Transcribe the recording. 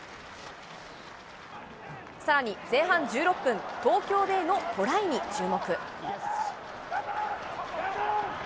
さらに前半１６分、東京ベイのトライに注目。